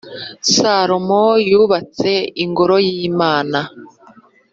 Salomo y’ubatse ingoro y’imana